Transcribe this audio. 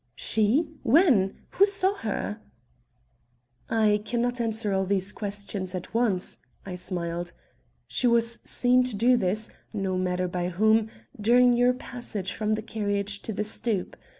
"She? When? Who saw her?" "I can not answer all these questions at once," I smiled. "She was seen to do this no matter by whom, during your passage from the carriage to the stoop.